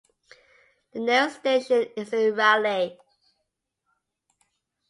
The nearest station is in Raleigh.